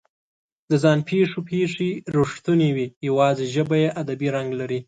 د ځان پېښو پېښې رښتونې وي، یواځې ژبه یې ادبي رنګ لري.